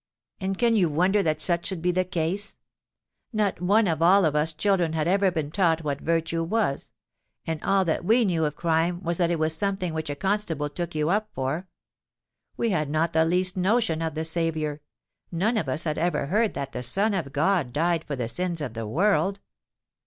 "And can you wonder that such should be the case? Not one of all us children had ever been taught what virtue was; and all that we knew of crime was that it was something which a constable took you up for. We had not the least notion of the Saviour—none of us had ever heard that the Son of God died for the sins of the world.